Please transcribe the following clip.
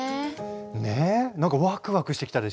何かワクワクしてきたでしょ。